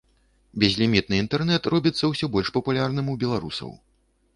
Безлімітны інтэрнэт робіцца ўсё больш папулярным у беларусаў.